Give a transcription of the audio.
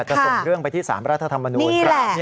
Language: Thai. ส่งเรื่องไปที่สารรัฐธรรมนูล